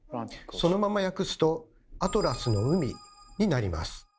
そのまま訳すと「アトラスの海」になります。